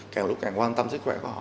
càng lúc càng quan tâm sức khỏe của họ